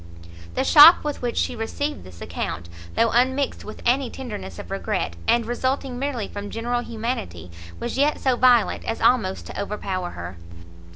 The shock with which she received this account, though unmixed with any tenderness of regret, and resulting merely from general humanity, was yet so violent as almost to overpower her.